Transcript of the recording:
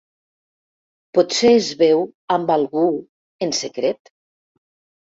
Potser es veu amb algú en secret.